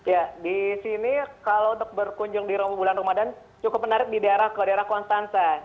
ya di sini kalau untuk berkunjung di bulan ramadhan cukup menarik di daerah konstanta